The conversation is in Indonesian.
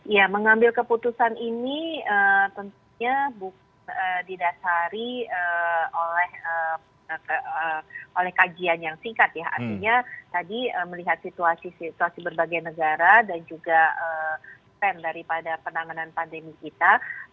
ya mengambil keputusan ini tentunya bukan didasari oleh kajian yang singkat ya artinya tadi melihat situasi situasi berbagai negara dan juga pen daripada penanganan pandemi kita